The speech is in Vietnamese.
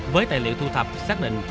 với tài liệu thu thập xác định